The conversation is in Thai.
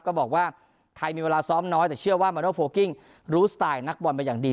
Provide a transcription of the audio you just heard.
ก็บอกว่าไทยมีเวลาซ้อมน้อยแต่เชื่อว่ามาโนโพลกิ้งรู้สไตล์นักบอลมาอย่างดี